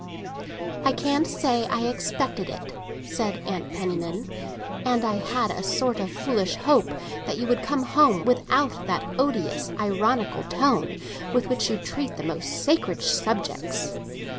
"I can't say I expected it," said Mrs. Penniman. "And I had a sort of foolish hope that you would come home without that odious ironical tone with which you treat the most sacred subjects."